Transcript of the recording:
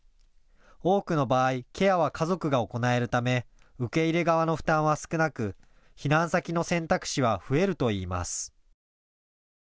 多くの場合、ケアは家族が行えるため受け入れ側の負担は少なく、避難先の選択肢は増えるといいます。